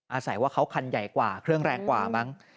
อาศัยว่าเขาคันใหญ่กว่าเครื่องแรงกว่ามั้ง